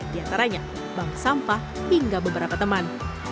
di antaranya bank sampah hingga beberapa teman